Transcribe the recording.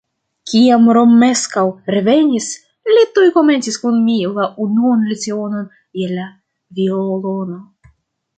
Kiam Romeskaŭ revenis, li tuj komencis kun mi la unuan lecionon je la violono.